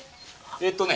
えっとね